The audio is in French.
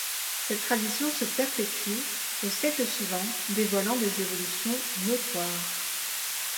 Cette tradition se perpétue aux siècles suivants, dévoilant des évolutions notoires.